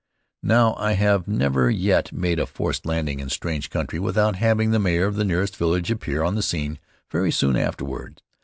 Now, I have never yet made a forced landing in strange country without having the mayor of the nearest village appear on the scene very soon afterward.